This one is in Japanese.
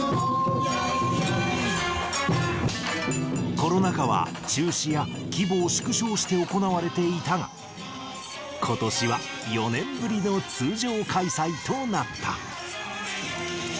コロナ禍は中止や規模を縮小して行われていたが、ことしは４年ぶりの通常開催となった。